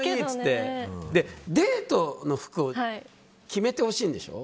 デートの服を決めてほしいんでしょ。